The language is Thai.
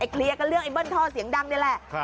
เคลียร์กันเรื่องไอเบิ้ลท่อเสียงดังนี่แหละ